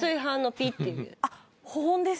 あっ保温です。